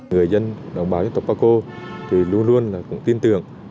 người dân đồng bào dân tộc bác cô luôn luôn tin tưởng